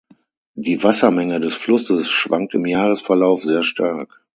Die Wassermenge des Flusses schwankt im Jahresverlauf sehr stark.